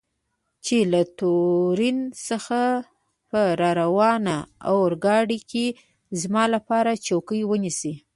چې له تورین څخه په راروانه اورګاډي کې زما لپاره چوکۍ ونیسي.